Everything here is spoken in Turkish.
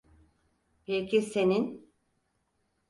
Peki senin?